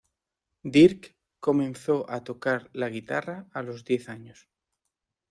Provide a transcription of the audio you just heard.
Dirk comenzó a tocar la guitarra a los diez años.